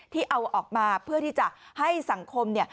ที่เอาออกมาเพื่อที่จะให้สังคมเนี่ย